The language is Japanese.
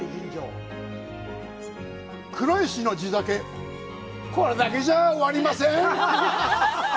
黒石の地酒、これだけじゃ終わりません！